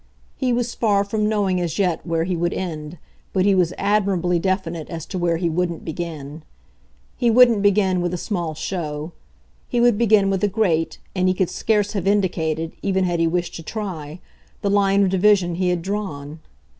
He was far from knowing as yet where he would end, but he was admirably definite as to where he wouldn't begin. He wouldn't begin with a small show he would begin with a great, and he could scarce have indicated, even had he wished to try, the line of division he had drawn.